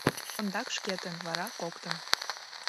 Ондак шкетын, вара — коктын.